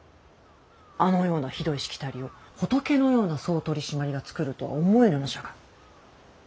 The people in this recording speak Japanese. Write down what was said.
あのようなひどいしきたりを仏のような総取締が作るとは思えぬのじゃが。